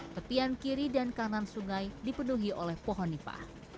tepian kiri dan kanan sungai dipenuhi oleh pohon nipah